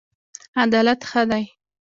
عدالت ښه دی.